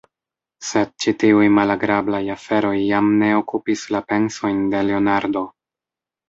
Sed ĉi tiuj malagrablaj aferoj jam ne okupis la pensojn de Leonardo.